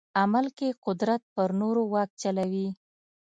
عمل کې قدرت پر نورو واک چلوي.